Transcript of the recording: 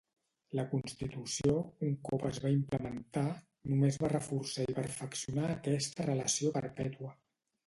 La constitució, un cop es va implementar, només va reforçar i perfeccionar aquesta relació perpètua.